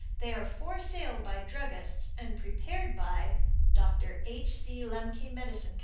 They are for sale by druggists and prepared by Dr. H. C. Lemke Medicine Co.